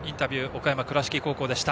岡山・倉敷高校でした。